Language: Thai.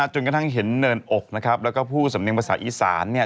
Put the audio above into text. จนกระทั่งเห็นเนินอกนะครับแล้วก็ผู้สำเนียงภาษาอีสาน